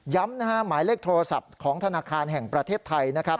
หมายเลขโทรศัพท์ของธนาคารแห่งประเทศไทยนะครับ